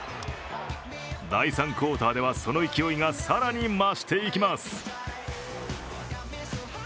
第３クオーターではその勢いが更に増していきます。